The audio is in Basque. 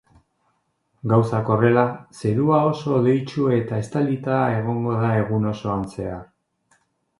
Gauzak horrela, zerua oso hodeitsu eta estalita egongo da egun osoan zehar.